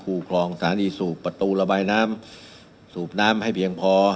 คลองสถานีสูบประตูระบายน้ำสูบน้ำให้เพียงพอ